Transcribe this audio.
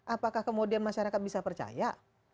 apakah kemudian masyarakat bisa percaya